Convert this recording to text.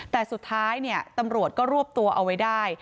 แต่สุดท้ายตำรวจก็รวบตัวเอาไว้ได้